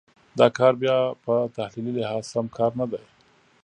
دا کار بیا په تحلیلي لحاظ سم کار نه دی.